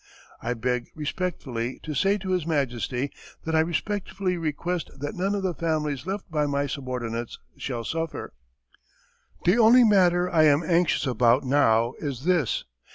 I beg, respectfully, to say to his Majesty that I respectfully request that none of the families left by my subordinates shall suffer. The only matter I am anxious about now is this.